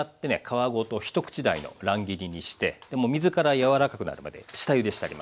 皮ごと一口大の乱切りにしてもう水から柔らかくなるまで下ゆでしてあります。